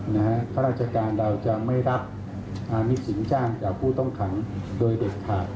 นะฮะข้าราชการเราจะไม่รับอามิสิงห์จ้างกับผู้ต้องขังโดยเด็กขาด